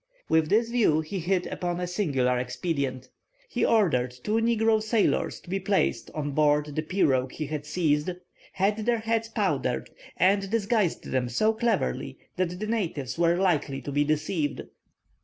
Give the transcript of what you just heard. With this view, he hit upon a singular expedient. He ordered two negro sailors to be placed on board the pirogue he had seized, had their heads powdered, and disguised them so cleverly that the natives were likely to be deceived.